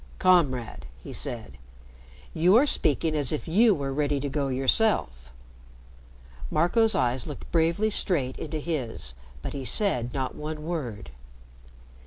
"Comrade," he said, "you are speaking as if you were ready to go yourself." Marco's eyes looked bravely straight into his, but he said not one word.